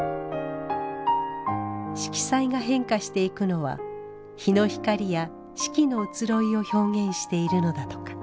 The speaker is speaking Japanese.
色彩が変化していくのは日の光や四季の移ろいを表現しているのだとか。